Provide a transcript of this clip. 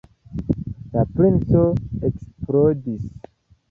La princo eksplodis.